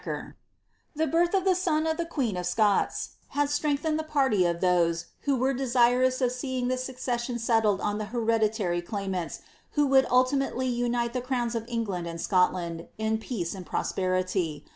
189 The birth of a boo to the queen of Scots had strengthened the party of thnee who were desirous of seeing the succession settled on the hereditary claimants who would ultimately unite the crowns of England lad Scotland in peace and prosperity.